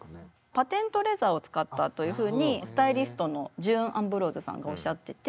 パテントレザーを使ったというふうにスタイリストのジュン・アンブローズさんがおっしゃってて。